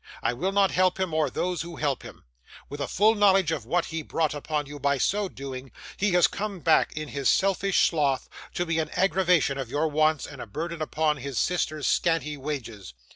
I will not help him, or those who help him. With a full knowledge of what he brought upon you by so doing, he has come back in his selfish sloth, to be an aggravation of your wants, and a burden upon his sister's scanty wages.